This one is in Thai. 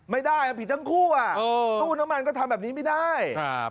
ไม่ได้ผิดทั้งคู่อ่ะตู้น้ำมันก็ทำแบบนี้ไม่ได้ครับ